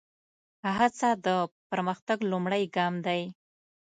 هڅه د پرمختګ لومړی ګام دی.